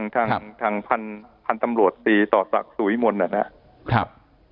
ทางพันธุ์ตำรวจตีต่อศักดิ์สู่อิมนต์